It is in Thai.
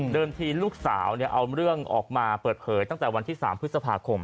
ทีลูกสาวเอาเรื่องออกมาเปิดเผยตั้งแต่วันที่๓พฤษภาคม